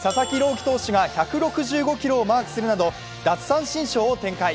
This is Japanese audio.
希投手が１６５キロをマークするなど奪三振ショーを展開。